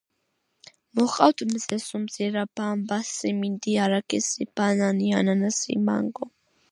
მოჰყავთ მზესუმზირა, ბამბა, სიმინდი, არაქისი, ბანანი, ანანასი, მანგო.